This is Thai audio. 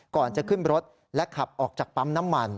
ก่อนจะขึ้นรถและขับออกจากปั๊มน้ำมัน